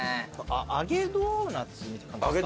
揚げドーナツみたいな感じですか？